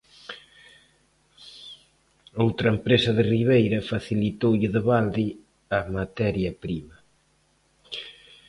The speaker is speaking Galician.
Outra empresa de Ribeira facilitoulle de balde a materia prima.